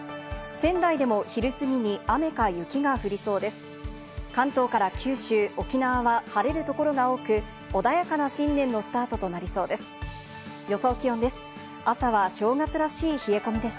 仙台でも昼過ぎに雨か雪が降りそうです。